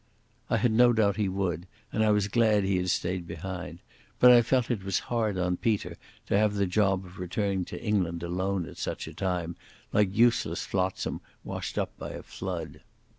I had no doubt he would, and I was glad he had stayed behind. But I felt it was hard on Peter to have the job of returning to England alone at such a time, like useless flotsam washed up by a flood.